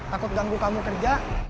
takut ganggu kamu kerja